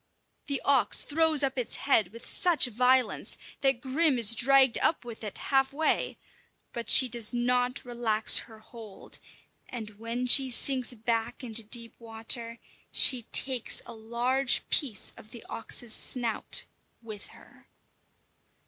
The ox throws up its head with such violence that Grim is dragged up with it halfway; but she does not relax her hold, and when she sinks back into deep water, she takes a large piece of the ox's snout with her.